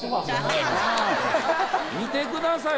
見てください